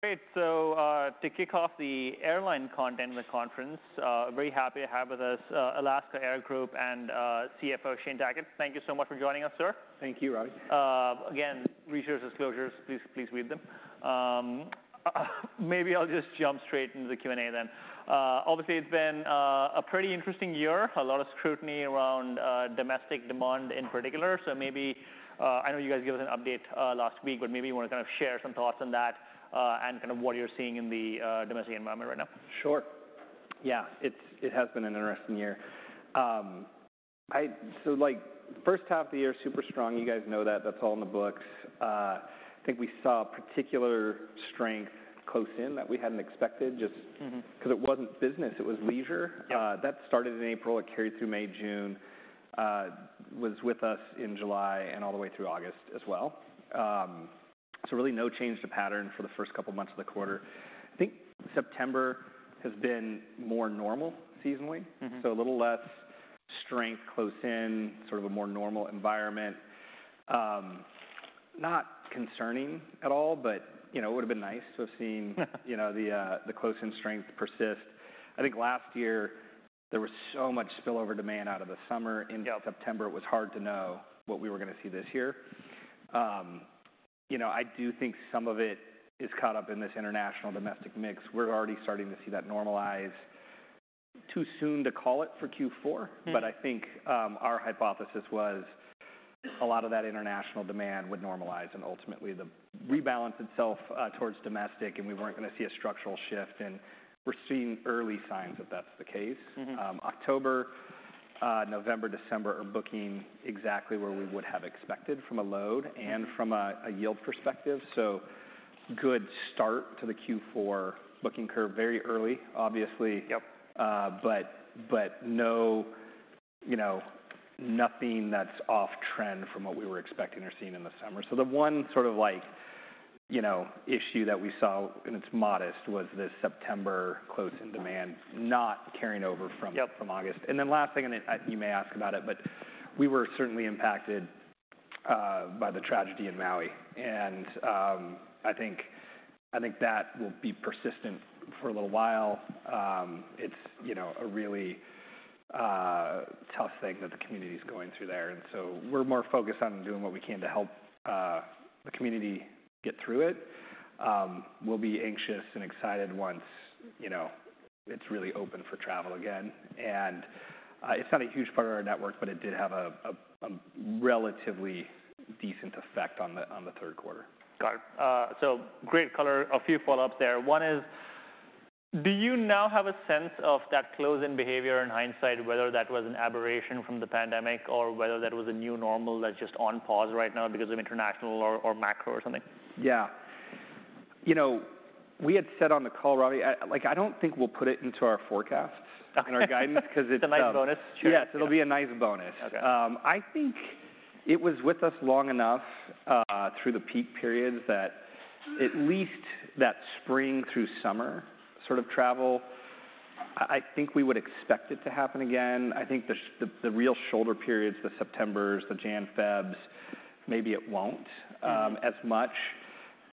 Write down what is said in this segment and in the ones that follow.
Great. So, to kick off the airline content in the conference, very happy to have with us, Alaska Air Group and, CFO, Shane Tackett. Thank you so much for joining us, sir. Thank you, Ravi. Again, research disclosures, please, please read them. Maybe I'll just jump straight into the Q&A then. Obviously, it's been a pretty interesting year, a lot of scrutiny around domestic demand in particular. So maybe I know you guys gave us an update last week, but maybe you want to kind of share some thoughts on that, and kind of what you're seeing in the domestic environment right now. Sure. Yeah, it has been an interesting year. So, like, first half of the year, super strong. You guys know that. That's all in the books. I think we saw particular strength close in that we hadn't expected just. Mm-hmm Cause it wasn't business, it was leisure. Yeah. That started in April. It carried through May, June, was with us in July and all the way through August as well. So really no change to pattern for the first couple of months of the quarter. I think September has been more normal seasonally. Mm-hmm. A little less strength close in, sort of a more normal environment. Not concerning at all, but, you know, it would have been nice to have seen, you know, the close-in strength persist. I think last year there was so much spillover demand out of the summer. Yeah Into September. It was hard to know what we were going to see this year. You know, I do think some of it is caught up in this international-domestic mix. We're already starting to see that normalize. Too soon to call it for Q4. Hmm But I think our hypothesis was a lot of that international demand would normalize, and ultimately, the rebalance itself towards domestic, and we weren't going to see a structural shift, and we're seeing early signs that that's the case. Mm-hmm. October, November, December are booking exactly where we would have expected from a load, Mm And from a yield perspective. So good start to the Q4 booking curve. Very early, obviously. Yep. But no, you know, nothing that's off-trend from what we were expecting or seeing in the summer. So the one sort of like, you know, issue that we saw, and it's modest, was this September close-in demand not carrying over from. Yep From August. And then last thing, you may ask about it, but we were certainly impacted by the tragedy in Maui, and I think that will be persistent for a little while. It's, you know, a really tough thing that the community's going through there, and so we're more focused on doing what we can to help the community get through it. We'll be anxious and excited once, you know, it's really open for travel again. And it's not a huge part of our network, but it did have a relatively decent effect on the third quarter. Got it. So great color. A few follow-ups there. One is, do you now have a sense of that close-in behavior in hindsight, whether that was an aberration from the pandemic or whether that was a new normal that's just on pause right now because of international or, or macro or something? Yeah. You know, we had said on the call, Ravi, like, I don't think we'll put it into our forecasts, in our guidance 'cause it's, It's a nice bonus. Sure. Yes, it'll be a nice bonus. Okay. I think it was with us long enough through the peak periods that at least that spring through summer sort of travel, I think we would expect it to happen again. I think the real shoulder periods, the Septembers, the Jan, Febs, maybe it won't. Mm As much.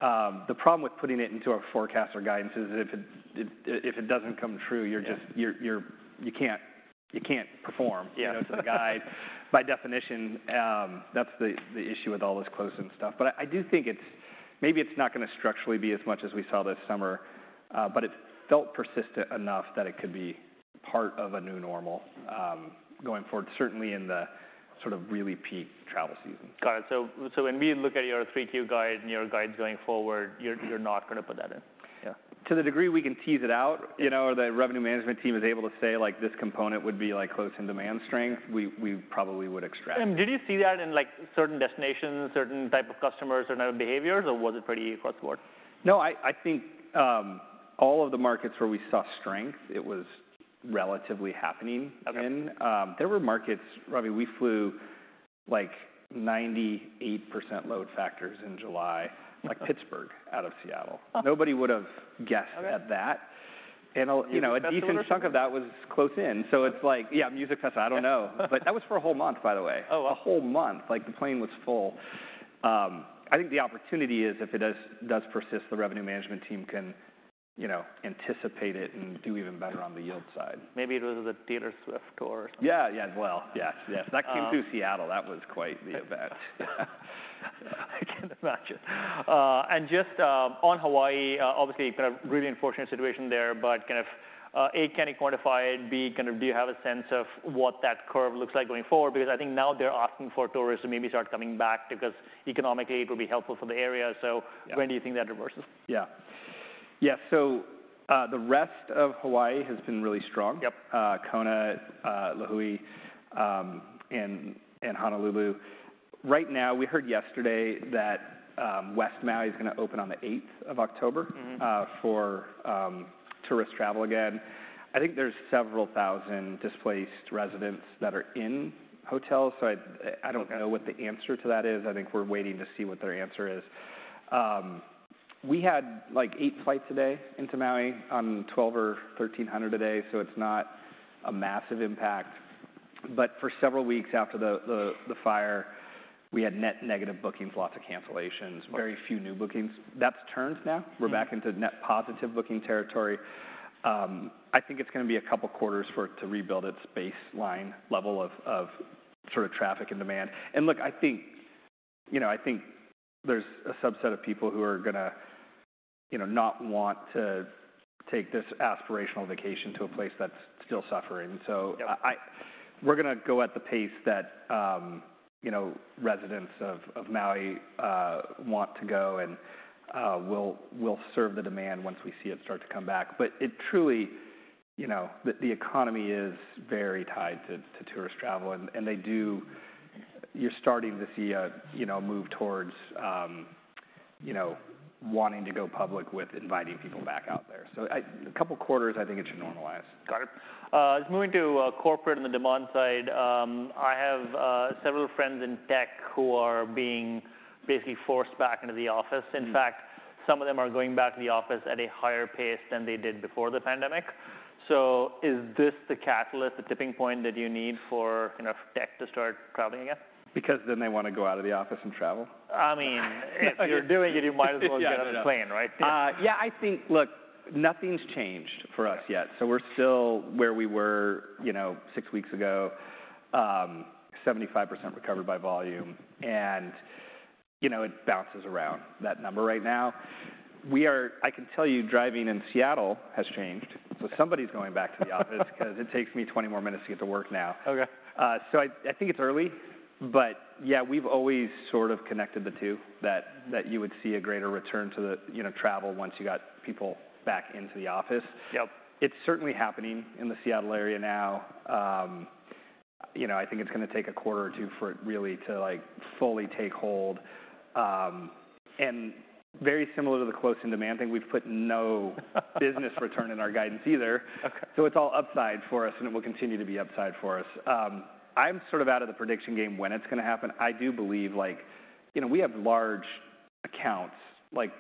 The problem with putting it into our forecast or guidance is if it doesn't come true, you're just- Yeah You can't perform. Yeah. You know, to the guide. By definition, that's the issue with all this close-in stuff. But I do think it's, maybe it's not gonna structurally be as much as we saw this summer, but it felt persistent enough that it could be part of a new normal, going forward, certainly in the sort of really peak travel season. Got it. So when we look at your three-tier guide and your guides going forward, you're not gonna put that in? Yeah. To the degree we can tease it out. Yeah You know, or the revenue management team is able to say, like, "This component would be, like, close-in demand strength," we probably would extract it. Did you see that in, like, certain destinations, certain type of customers or know behaviors, or was it pretty across the board? No, I think all of the markets where we saw strength, it was relatively happening. Okay Again. There were markets, Ravi, we flew, like, 98% load factors in July. Wow Like Pittsburgh, out of Seattle. Nobody would've guessed at that. Okay. You know. That's interesting A decent chunk of that was close in, so it's like. Yeah, MusicFest, I don't know. But that was for a whole month, by the way. Oh. A whole month, like, the plane was full. I think the opportunity is if it does persist, the revenue management team can, you know, anticipate it and do even better on the yield side. Maybe it was the Taylor Swift tour. Yeah, yeah. Well, yes, yes. Um. That came through Seattle. That was quite the event. I can't imagine. And just, on Hawaii, obviously, kind of really unfortunate situation there, but kind of, A, can you quantify it? B, kind of do you have a sense of what that curve looks like going forward? Because I think now they're asking for tourism to maybe start coming back because economically it will be helpful for the area. Yeah. So when do you think that reverses? Yeah. Yeah, so, the rest of Hawaii has been really strong. Yep. Kona, Lihue, and Honolulu. Right now, we heard yesterday that West Maui is gonna open on the 8th of October. Mm-hmm For tourist travel again. I think there's several thousand displaced residents that are in hotels, so I don't know what the answer to that is. I think we're waiting to see what their answer is. We had, like, eight flights a day into Maui on 1,200 or 1,300 a day, so it's not a massive impact, but for several weeks after the fire, we had net negative bookings, lots of cancellations. Right. Very few new bookings. That's turned now. Mm-hmm. We're back into net positive booking territory. I think it's gonna be a couple quarters for it to rebuild its baseline level of sort of traffic and demand. And look, I think, you know, I think there's a subset of people who are gonna, you know, not want to take this aspirational vacation to a place that's still suffering. Yeah. So, I. We're gonna go at the pace that, you know, residents of Maui want to go, and we'll serve the demand once we see it start to come back. But it truly, you know, the economy is very tied to tourist travel, and they do. You're starting to see a, you know, move towards, you know, wanting to go public with inviting people back out there. So, I, a couple quarters, I think it should normalize. Got it. Moving to corporate and the demand side, I have several friends in tech who are being basically forced back into the office. Mm. In fact, some of them are going back to the office at a higher pace than they did before the pandemic. So is this the catalyst, the tipping point that you need for, you know, tech to start traveling again? Because then they want to go out of the office and travel? I mean, if you're doing it, you might as well get on a plane, right? Yeah. Yeah, I think. Look, nothing's changed for us yet, so we're still where we were, you know, six weeks ago. Seventy-five percent recovered by volume, and, you know, it bounces around that number right now. We are. I can tell you, driving in Seattle has changed, so somebody's going back to the office, cause it takes me 20 more minutes to get to work now. Okay. So I think it's early, but yeah, we've always sort of connected the two, that you would see a greater return to the, you know, travel once you got people back into the office. Yep. It's certainly happening in the Seattle area now. You know, I think it's gonna take a quarter or two for it really to, like, fully take hold. And very similar to the close-in demand thing, we've put no business return in our guidance either. Okay. So it's all upside for us, and it will continue to be upside for us. I'm sort of out of the prediction game, when it's gonna happen. I do believe, like... You know, we have large accounts, like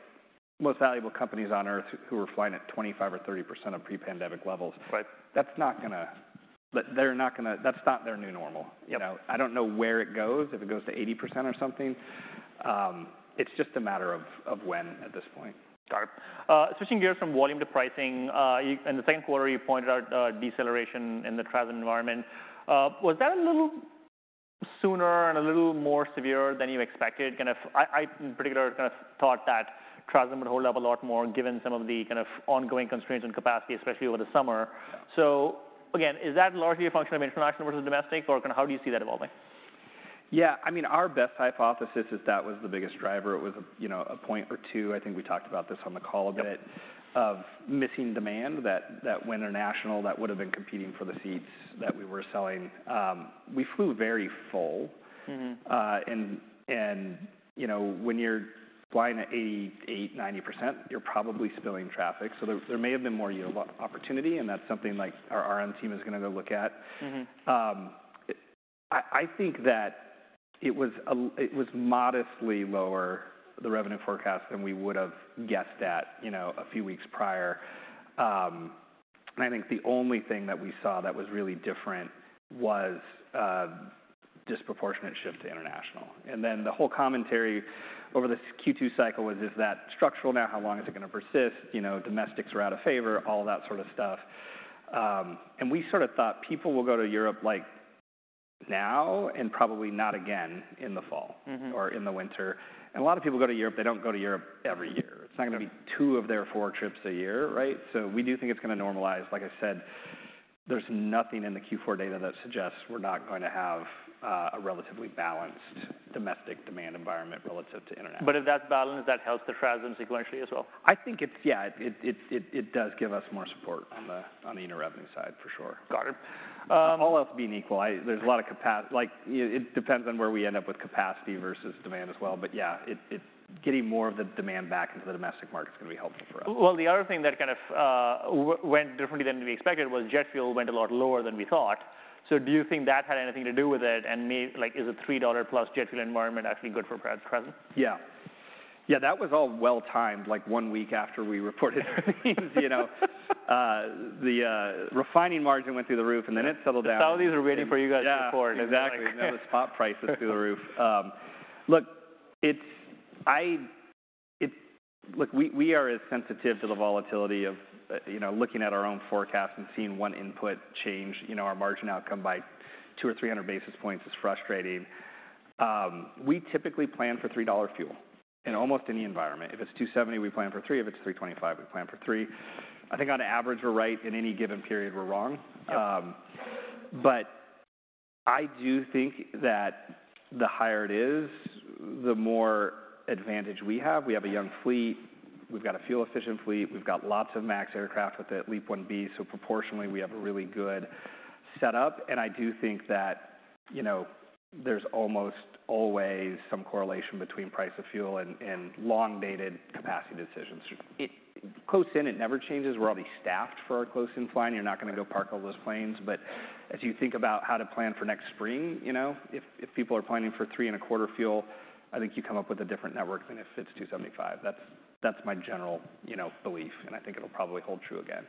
most valuable companies on Earth, who are flying at 25% or 30% of pre-pandemic levels. Right. That's not gonna. They're not gonna. That's not their new normal. Yep. You know? I don't know where it goes, if it goes to 80% or something. It's just a matter of when at this point. Got it. Switching gears from volume to pricing, you, in the second quarter, you pointed out deceleration in the travel environment. Was that a little sooner and a little more severe than you expected? Kind of I, in particular, kind of thought that travel would hold up a lot more, given some of the kind of ongoing constraints on capacity, especially over the summer. Yeah. So again, is that largely a function of international versus domestic, or kind of how do you see that evolving? Yeah, I mean, our best hypothesis is that was the biggest driver. It was, you know, a point or two, I think we talked about this on the call a bit. Yep Of missing demand that, that went international that would've been competing for the seats that we were selling. We flew very full. Mm-hmm. And you know, when you're flying at 88%-90%, you're probably spilling traffic, so there may have been more yield opportunity, and that's something, like, our RM team is gonna go look at. Mm-hmm. I think that it was modestly lower, the revenue forecast, than we would've guessed at, you know, a few weeks prior. And I think the only thing that we saw that was really different was disproportionate shift to international. And then, the whole commentary over this Q2 cycle was, "Is that structural now? How long is it gonna persist?" You know, "Domestic's we're out of favor," all that sort of stuff. And we sort of thought people will go to Europe, like, now, and probably not again in the fall. Mm-hmm Or in the winter. A lot of people go to Europe, they don't go to Europe every year. Right. It's not gonna be two of their four trips a year, right? So we do think it's gonna normalize. Like I said, there's nothing in the Q4 data that suggests we're not going to have a relatively balanced domestic demand environment relative to international. If that's balanced, does that help the TRASM sequentially as well? I think it's. Yeah, it does give us more support on the international revenue side, for sure. Got it. All else being equal, there's a lot of capacity. Like, you know, it depends on where we end up with capacity versus demand as well, but yeah, getting more of the demand back into the domestic market is gonna be helpful for us. Well, the other thing that kind of went differently than we expected was jet fuel went a lot lower than we thought. So do you think that had anything to do with it? And, like, is a $3+ jet fuel environment actually good for PRASM? Yeah. Yeah, that was all well-timed, like one week after we reported earnings, you know? The refining margin went through the roof, and then it settled down. The Saudis were waiting for you guys to report. Yeah, exactly. Then the spot price is through the roof. Look, it's, look, we are as sensitive to the volatility of, you know, looking at our own forecast and seeing one input change, you know, our margin outcome by 200 or 300 basis points is frustrating. We typically plan for $3 fuel in almost any environment. If it's $2.70, we plan for $3. If it's $3.25, we plan for $3. I think on average, we're right, in any given period, we're wrong. Yep. But I do think that the higher it is, the more advantage we have. Yeah. We have a young fleet. We've got a fuel-efficient fleet. We've got lots of MAX aircraft with the LEAP-1B, so proportionally, we have a really good setup. And I do think that, you know, there's almost always some correlation between price of fuel and long-dated capacity decisions. It, close-in, it never changes. We're already staffed for our close-in flying. Right. You're not gonna go park all those planes. But as you think about how to plan for next spring, you know, if people are planning for $3.25 fuel, I think you come up with a different network than if it's $2.75. That's my general, you know, belief, and I think it'll probably hold true again.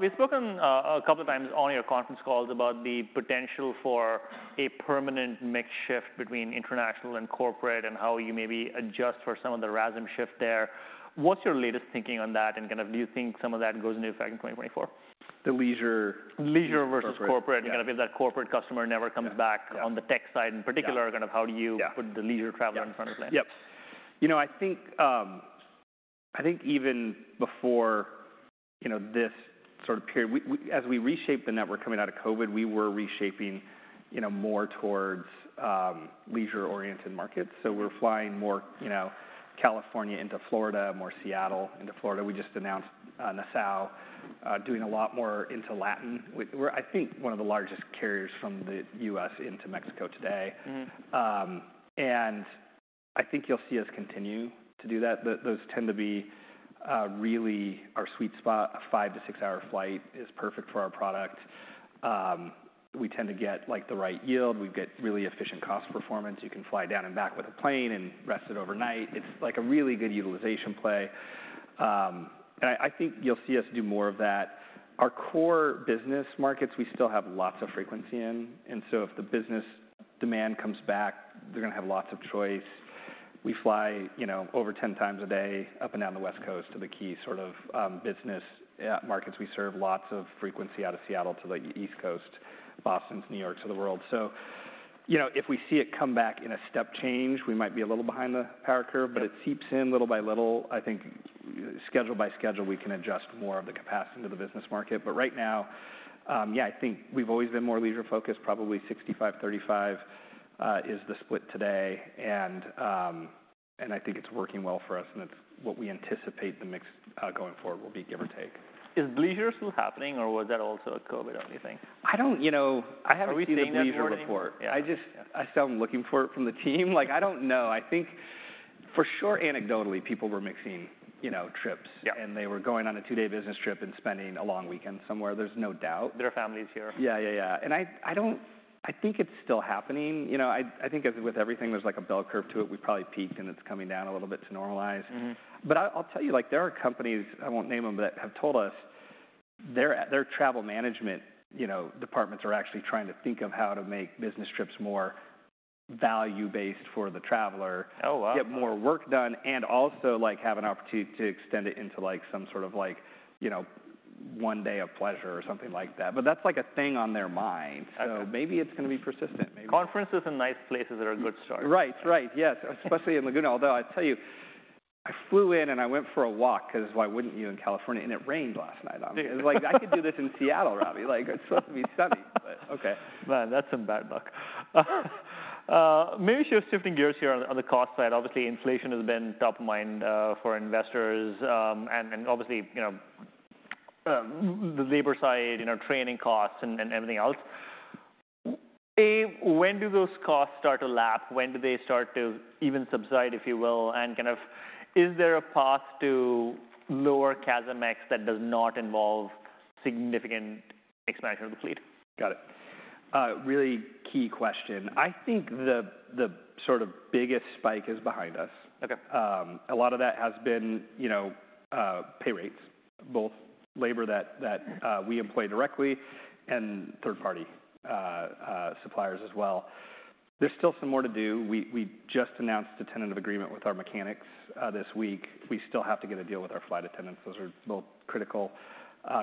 We've spoken a couple times on your conference calls about the potential for a permanent mix shift between international and corporate, and how you maybe adjust for some of the RASM shift there. What's your latest thinking on that, and kind of do you think some of that goes into effect in 2024? The leisure. Leisure versus. Corporate Corporate. Yeah. If that corporate customer never comes back Yeah On the tech side, in particular. Yeah kind of how do you Yeah Put the leisure traveler in front of that? Yep. You know, I think even before, you know, this sort of period, we, as we reshaped the network coming out of COVID, we were reshaping, you know, more towards leisure-oriented markets. So we're flying more, you know, California into Florida, more Seattle into Florida. We just announced Nassau, doing a lot more into Latin. We're, I think, one of the largest carriers from the U.S. into Mexico today. Mm-hmm. And I think you'll see us continue to do that. Those tend to be really our sweet spot. A 5-6-hour flight is perfect for our product. We tend to get, like, the right yield. We get really efficient cost performance. You can fly down and back with a plane and rest it overnight. It's, like, a really good utilization play. And I think you'll see us do more of that. Our core business markets, we still have lots of frequency in, and so if the business demand comes back, they're gonna have lots of choice. We fly, you know, over 10 times a day, up and down the West Coast to the key sort of business markets. We serve lots of frequency out of Seattle to, like, the East Coast, Boston to New York, to the world. So, you know, if we see it come back in a step change, we might be a little behind the power curve, but it seeps in little by little. I think schedule by schedule, we can adjust more of the capacity into the business market. But right now, yeah, I think we've always been more leisure-focused, probably 65-35 is the split today. And, and I think it's working well for us, and that's what we anticipate the mix, going forward will be, give or take. Is leisure still happening, or was that also a COVID-only thing? I don't. You know, I haven't seen the leisure report. Yeah. I still am looking for it from the team. Like, I don't know. I think for sure, anecdotally, people were mixing, you know, trips. Yeah. They were going on a two-day business trip and spending a long weekend somewhere. There's no doubt. Their families here. Yeah, yeah, yeah. I, I don't, I think it's still happening. You know, I, I think as with everything, there's like a bell curve to it. We probably peaked, and it's coming down a little bit to normalize. Mm-hmm. But I, I'll tell you, like, there are companies, I won't name them, but have told us their travel management, you know, departments are actually trying to think of how to make business trips more value-based for the traveler. Oh, wow Get more work done, and also, like, have an opportunity to extend it into, like, some sort of like, you know, one day of pleasure or something like that. But that's, like, a thing on their mind. Okay. Maybe it's gonna be persistent, maybe. Conferences and nice places are a good start. Right. Right, yes, especially in Laguna. Although, I'll tell you, I flew in, and I went for a walk, cause why wouldn't you in California? And it rained last night on me. It was like, "I could do this in Seattle, Ravi." Like, it's supposed to be sunny, but okay. Man, that's some bad luck. Maybe shifting gears here on the cost side, obviously, inflation has been top of mind for investors, and then, obviously, you know, the labor side, you know, training costs and everything else. When do those costs start to lap? When do they start to even subside, if you will, and kind of is there a path to lower CASM-X that does not involve significant expansion of the fleet? Got it. Really key question. I think the sort of biggest spike is behind us. Okay. A lot of that has been, you know, pay rates, both labor we employ directly and third-party suppliers as well. There's still some more to do. We just announced a tentative agreement with our mechanics this week. We still have to get a deal with our flight attendants. Those are both critical,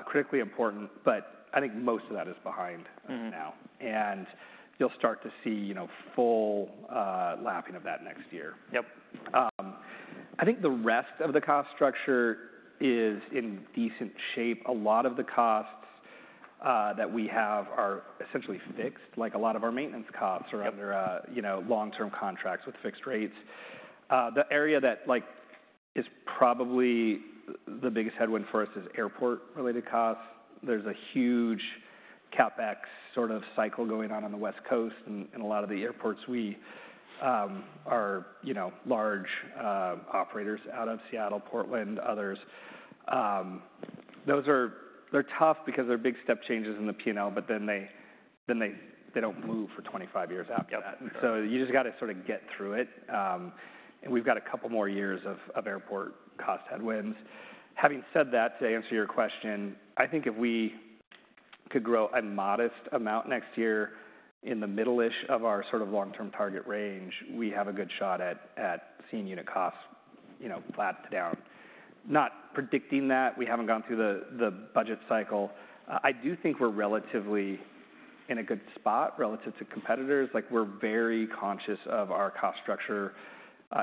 critically important, but I think most of that is behind us now. Mm-hmm. You'll start to see, you know, full lapping of that next year. Yep. I think the rest of the cost structure is in decent shape. A lot of the costs that we have are essentially fixed. Like, a lot of our maintenance costs- Yep Are under, you know, long-term contracts with fixed rates. The area that, like, is probably the biggest headwind for us is airport-related costs. There's a huge CapEx sort of cycle going on the West Coast and a lot of the airports we are, you know, large operators out of Seattle, Portland, others. Those are-- They're tough because they're big step changes in the P&L, but then they don't move for 25 years after that. Yep. So you just gotta sort of get through it. And we've got a couple more years of airport cost headwinds. Having said that, to answer your question, I think if we could grow a modest amount next year in the middle-ish of our sort of long-term target range, we have a good shot at seeing unit costs, you know, flat to down. Not predicting that, we haven't gone through the budget cycle. I do think we're relatively in a good spot relative to competitors. Like, we're very conscious of our cost structure,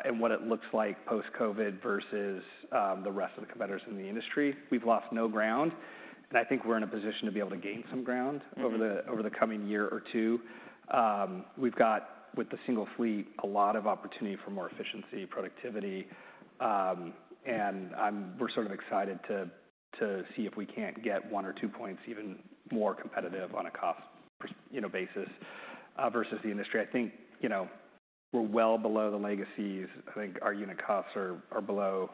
and what it looks like post-COVID versus the rest of the competitors in the industry. We've lost no ground, and I think we're in a position to be able to gain some ground- Mm-hmm Over the coming year or two. We've got, with the single fleet, a lot of opportunity for more efficiency, productivity. And we're sort of excited to see if we can't get one or two points even more competitive on a cost per- you know, basis versus the industry. I think, you know, we're well below the legacies. I think our unit costs are below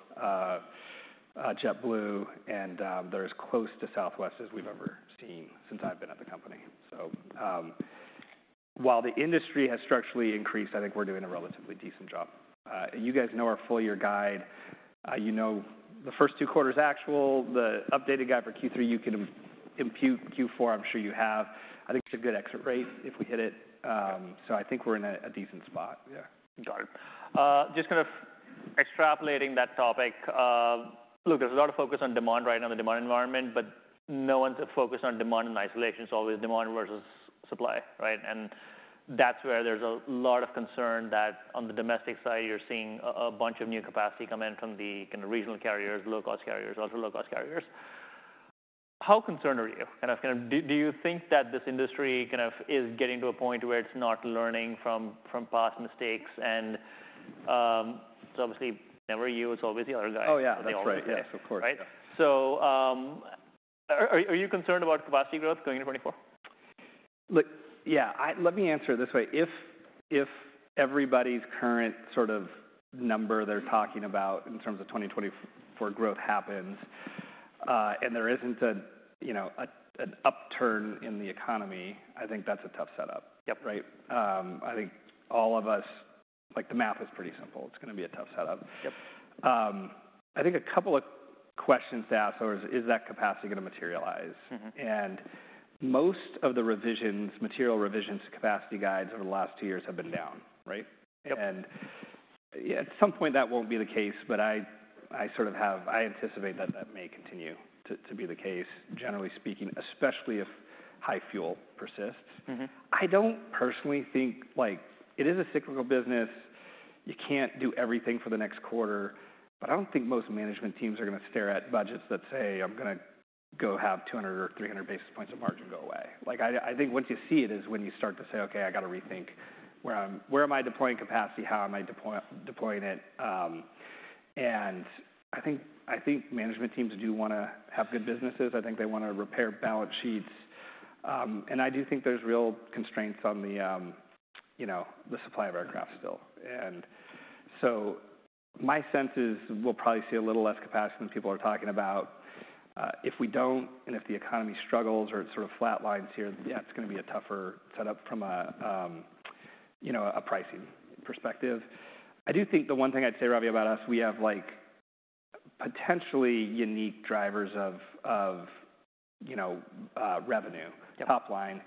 JetBlue, and they're as close to Southwest as we've ever seen since I've been at the company. So while the industry has structurally increased, I think we're doing a relatively decent job. You guys know our full year guide. You know the first two quarters actual, the updated guide for Q3, you can impute Q4, I'm sure you have. I think it's a good exit rate if we hit it. So I think we're in a decent spot. Yeah. Got it. Just kind of extrapolating that topic, look, there's a lot of focus on demand right now, the demand environment, but no one's focused on demand in isolation. It's always demand versus supply, right? And that's where there's a lot of concern that on the domestic side, you're seeing a bunch of new capacity come in from the kind of regional carriers, low-cost carriers, ultra-low-cost carriers. How concerned are you? Do you think that this industry kind of is getting to a point where it's not learning from past mistakes? And it's obviously never you, it's always the other guy. Oh, yeah. That's always us. Right? Of course, yeah. Are you concerned about capacity growth going into 2024? Look, yeah. Let me answer it this way. If everybody's current sort of number they're talking about in terms of 2024 growth happens, and there isn't, you know, an upturn in the economy, I think that's a tough setup. Yep. Right? I think all of us, like, the math is pretty simple. It's gonna be a tough setup. Yep. I think a couple of questions to ask though is, is that capacity gonna materialize? Mm-hmm. Most of the revisions, material revisions to capacity guides over the last two years have been down, right? Yep. At some point, that won't be the case, but I sort of have, I anticipate that that may continue to be the case, generally speaking, especially if high fuel persists. Mm-hmm. I don't personally think. Like, it is a cyclical business. You can't do everything for the next quarter, but I don't think most management teams are gonna stare at budgets that say, "I'm gonna go have 200 or 300 basis points of margin go away." Like, I think once you see it is when you start to say, "Okay, I got to rethink where I'm deploying capacity? How am I deploying it?" And I think management teams do wanna have good businesses. I think they wanna repair balance sheets. And I do think there's real constraints on the, you know, the supply of aircraft still. And so my sense is we'll probably see a little less capacity than people are talking about. If we don't, and if the economy struggles or it sort of flatlines here, yeah, it's gonna be a tougher setup from a, you know, a pricing perspective. I do think the one thing I'd say, Ravi, about us, we have, like, potentially unique drivers of, of, you know, revenue. Yep Top line,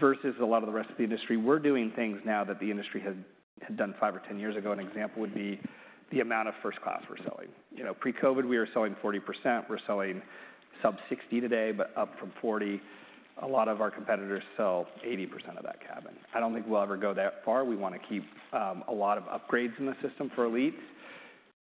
versus a lot of the rest of the industry. We're doing things now that the industry had done 5 or 10 years ago. An example would be the amount of first class we're selling. You know, pre-COVID, we were selling 40%. We're selling sub 60 today, but up from 40. A lot of our competitors sell 80% of that cabin. I don't think we'll ever go that far. We wanna keep a lot of upgrades in the system for elites,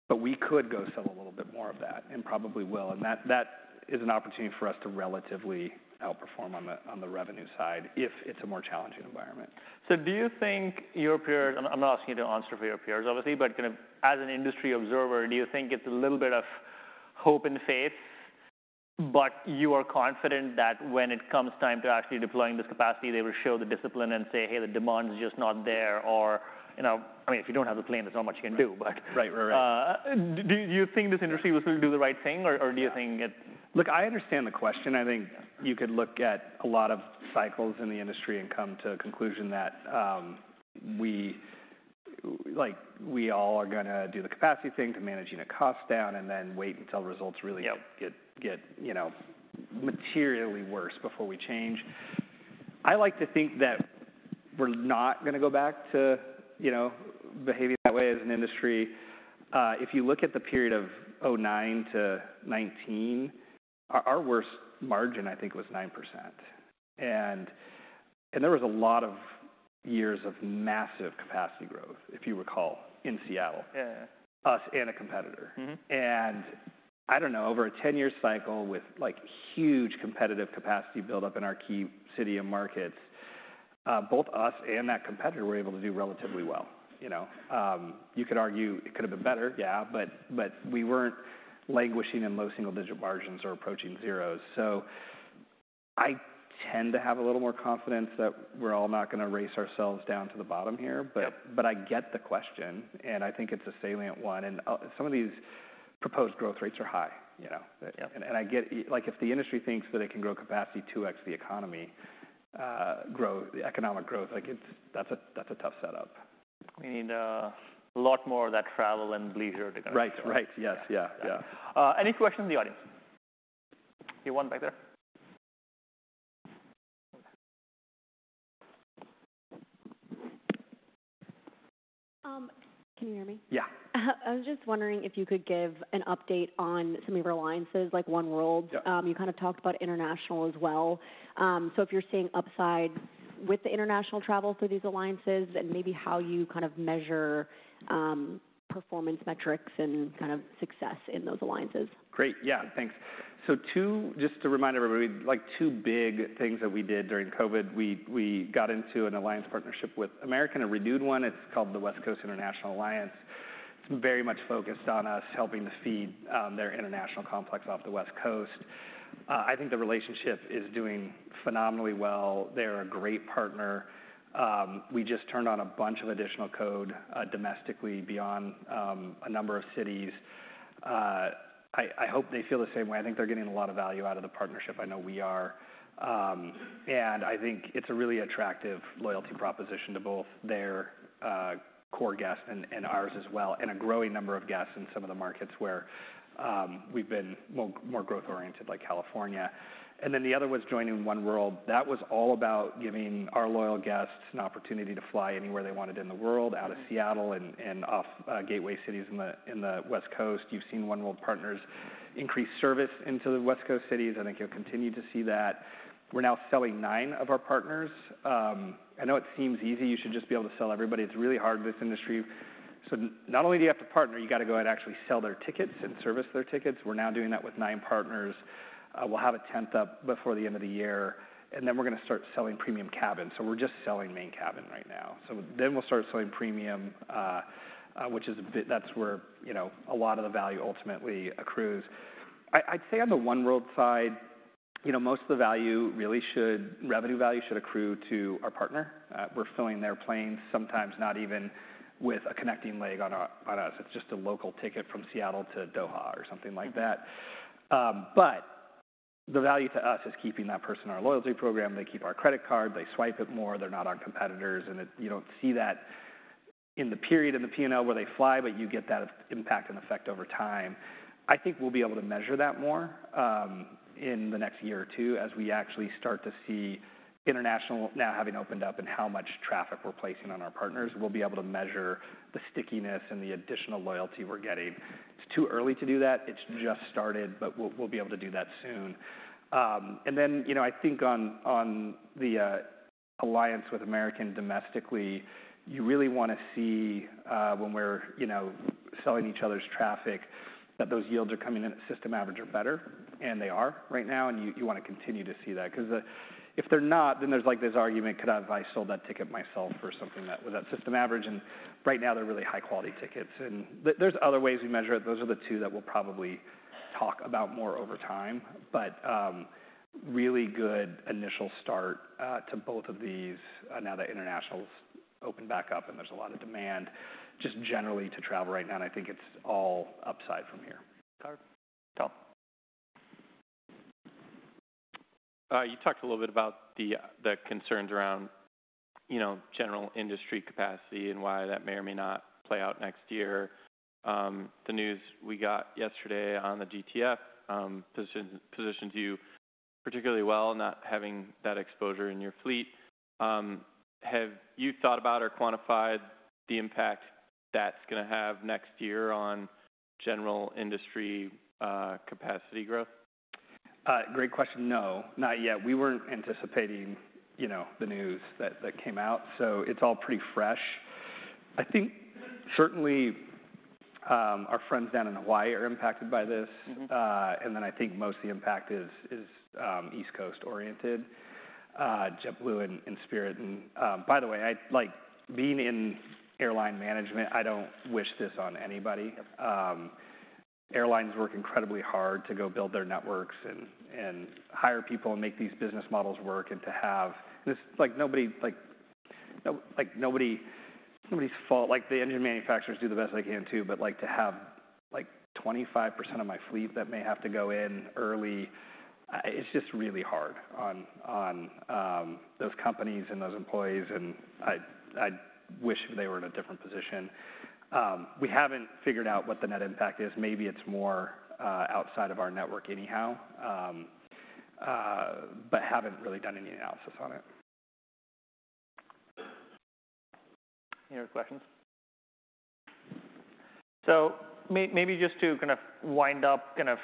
but we could go sell a little bit more of that, and probably will. And that is an opportunity for us to relatively outperform on the revenue side, if it's a more challenging environment. So do you think your peers... I'm not asking you to answer for your peers, obviously, but kind of as an industry observer, do you think it's a little bit of hope and faith, but you are confident that when it comes time to actually deploying this capacity, they will show the discipline and say, "Hey, the demand is just not there"? Or, you know, I mean, if you don't have the plane, there's not much you can do back. Right. Right, right. Do you think this industry will sort of do the right thing, or do you think it. Look, I understand the question. I think you could look at a lot of cycles in the industry and come to a conclusion that, we, like, we all are gonna do the capacity thing to managing the cost down, and then wait until results really- Yep Get you know, materially worse before we change. I like to think that we're not gonna go back to, you know, behaving that way as an industry. If you look at the period of 2009 to 2019, our worst margin, I think, was 9%. And there was a lot of years of massive capacity growth, if you recall, in Seattle. Yeah. Us and a competitor. Mm-hmm. And I don't know, over a 10-year cycle with, like, huge competitive capacity buildup in our key city and markets, both us and that competitor were able to do relatively well, you know? You could argue it could have been better, yeah, but, but we weren't languishing in low single-digit margins or approaching zero. So I tend to have a little more confidence that we're all not gonna race ourselves down to the bottom here. Yep. But I get the question, and I think it's a salient one, and some of these proposed growth rates are high, you know? Yep. I get... Like, if the industry thinks that it can grow capacity 2x the economy, growth, the economic growth, like it's, that's a, that's a tough setup. We need a lot more of that travel and leisure to come. Right. Right. Yes. Yeah, yeah. Any questions in the audience? You, one back there. Can you hear me? Yeah. I was just wondering if you could give an update on some of your alliances, like oneworld. Yep. You kind of talked about international as well. So if you're seeing upside with the international travel through these alliances, and maybe how you kind of measure performance metrics and kind of success in those alliances. Great. Yeah, thanks. So just to remind everybody, like, two big things that we did during COVID, we got into an alliance partnership with American, a renewed one. It's called the West Coast International Alliance. It's very much focused on us helping to feed their international complex off the West Coast. I think the relationship is doing phenomenally well. They're a great partner. We just turned on a bunch of additional code domestically beyond a number of cities. I hope they feel the same way. I think they're getting a lot of value out of the partnership. I know we are. And I think it's a really attractive loyalty proposition to both their core guests and ours as well, and a growing number of guests in some of the markets where we've been more growth-oriented, like California. And then the other was joining oneworld. That was all about giving our loyal guests an opportunity to fly anywhere they wanted in the world, out of Seattle and off gateway cities in the West Coast. You've seen oneworld partners increase service into the West Coast cities. I think you'll continue to see that. We're now selling nine of our partners. I know it seems easy, you should just be able to sell everybody. It's really hard in this industry. So not only do you have to partner, you gotta go out and actually sell their tickets and service their tickets. We're now doing that with nine partners. We'll have a tenth up before the end of the year, and then we're gonna start selling premium cabin. So we're just selling main cabin right now. So then we'll start selling premium, which is. that's where, you know, a lot of the value ultimately accrues. I'd say on the oneworld side, you know, most of the value really should... revenue value should accrue to our partner. We're filling their planes, sometimes not even with a connecting leg on our- on us. It's just a local ticket from Seattle to Doha or something like that. But the value to us is keeping that person in our loyalty program, they keep our credit card, they swipe it more, they're not our competitors, and you don't see that in the period of the P&L where they fly, but you get that impact and effect over time. I think we'll be able to measure that more in the next year or two, as we actually start to see international now having opened up, and how much traffic we're placing on our partners. We'll be able to measure the stickiness and the additional loyalty we're getting. It's too early to do that, it's just started, but we'll be able to do that soon. And then, you know, I think on the alliance with American domestically, you really want to see when we're, you know, selling each other's traffic, that those yields are coming in at system average or better, and they are right now, and you want to continue to see that. Cause if they're not, then there's, like, this argument, could I have sold that ticket myself for something that with that system average? And right now, they're really high-quality tickets. And there's other ways we measure it. Those are the two that we'll probably talk about more over time, but really good initial start to both of these now that international's opened back up and there's a lot of demand, just generally to travel right now, and I think it's all upside from here. Carter, go. You talked a little bit about the concerns around, you know, general industry capacity and why that may or may not play out next year. The news we got yesterday on the GTF positions you particularly well, not having that exposure in your fleet. Have you thought about or quantified the impact that's gonna have next year on general industry capacity growth? Great question. No, not yet. We weren't anticipating, you know, the news that came out, so it's all pretty fresh. I think certainly, our friends down in Hawaii are impacted by this. Mm-hmm. I think most of the impact is East Coast-oriented, JetBlue and Spirit. And, by the way, I. Like, being in airline management, I don't wish this on anybody. Yep. Airlines work incredibly hard to go build their networks and hire people and make these business models work, and to have this, like, nobody's fault, like, the engine manufacturers do the best they can, too, but, like, to have, like, 25% of my fleet that may have to go in early. It's just really hard on those companies and those employees, and I wish they were in a different position. We haven't figured out what the net impact is. Maybe it's more outside of our network anyhow, but haven't really done any analysis on it. Any more questions? Maybe just to kind of wind up, kind of,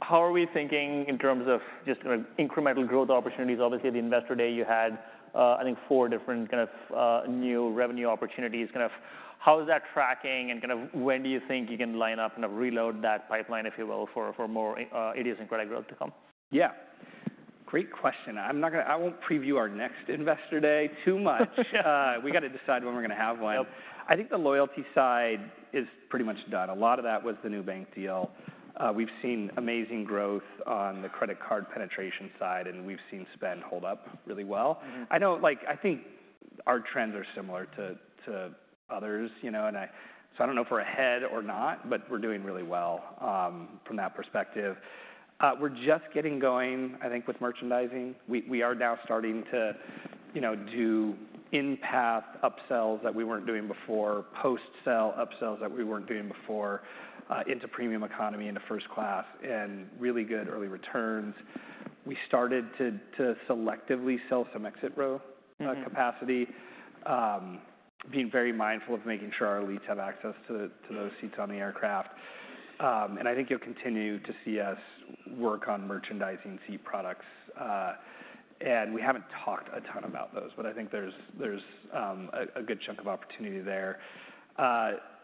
how are we thinking in terms of just kind of incremental growth opportunities? Obviously, the Investor Day, you had, I think four different kind of new revenue opportunities. Kind of, how is that tracking, and kind of when do you think you can line up and reload that pipeline, if you will, for more ideas and credit growth to come? Yeah. Great question. I won't preview our next Investor Day too much. Yeah. We gotta decide when we're gonna have one. Yep. I think the loyalty side is pretty much done. A lot of that was the new bank deal. We've seen amazing growth on the credit card penetration side, and we've seen spend hold up really well. Mm-hmm. Like, I think our trends are similar to others, you know, and so I don't know if we're ahead or not, but we're doing really well from that perspective. We're just getting going, I think, with merchandising. We are now starting to, you know, do in-path upsells that we weren't doing before, post-sale upsells that we weren't doing before, into premium economy, into first class, and really good early returns. We started to selectively sell some exit row. Mm-hmm Capacity, being very mindful of making sure our elites have access to those seats on the aircraft. And I think you'll continue to see us work on merchandising seat products. And we haven't talked a ton about those, but I think there's a good chunk of opportunity there.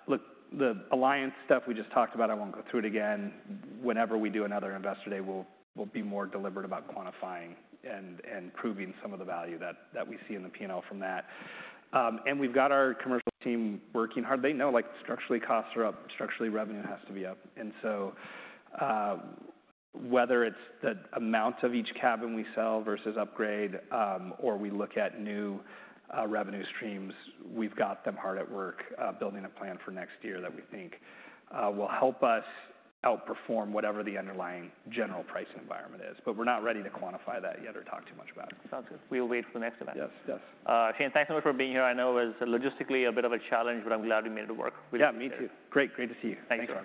Look, the alliance stuff we just talked about, I won't go through it again. Whenever we do another Investor Day, we'll be more deliberate about quantifying and proving some of the value that we see in the P&L from that. And we've got our commercial team working hard. They know, like, structurally, costs are up, structurally, revenue has to be up. And so, whether it's the amount of each cabin we sell versus upgrade, or we look at new revenue streams, we've got them hard at work, building a plan for next year that we think will help us outperform whatever the underlying general pricing environment is, but we're not ready to quantify that yet or talk too much about it. Sounds good. We will wait for the next event. Yes. Yes. Shane, thanks so much for being here. I know it was logistically a bit of a challenge, but I'm glad we made it work. Yeah, me too. Great. Great to see you. Thank you so much.